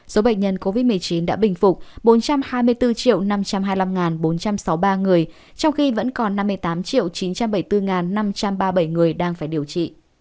số bệnh nhân covid một mươi chín đã bình phục bốn trăm hai mươi bốn năm trăm hai mươi năm bốn trăm sáu mươi ba người trong khi vẫn còn năm mươi tám chín trăm bảy mươi bốn năm trăm ba mươi bảy người đang phải điều trị